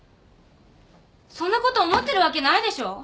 そんなこと思ってるわけないでしょう？